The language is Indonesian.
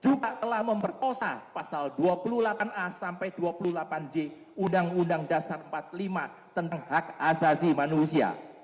juga telah memperkosa pasal dua puluh delapan a sampai dua puluh delapan j undang undang dasar empat puluh lima tentang hak asasi manusia